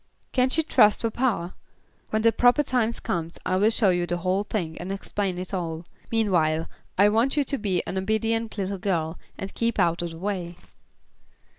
Can't you trust papa? When the proper time comes I'll show you the whole thing, and explain it all. Meantime I want you to be an obedient little girl, and keep out of the way."